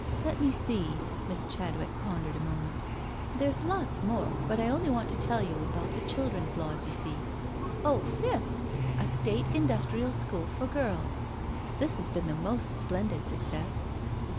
"Let me see." Miss Chadwick pondered a moment. " There's lots more, but I only want to tell you about the children's laws, you see. Oh, fifth, a State Indus trial School for girls — this has been the most splendid success.